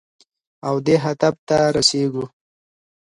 او دې هدف ته رسېږو.